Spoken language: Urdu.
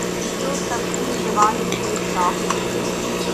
جو تبتی زبان کی ایک شاخ ہے